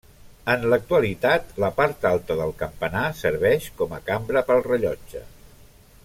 En l'actualitat la part alta del campanar serveix com a cambra pel rellotge.